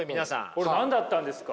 これ何だったんですか？